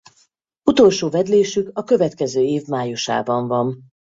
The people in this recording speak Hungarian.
Utolsó vedlésük a következő év májusában van.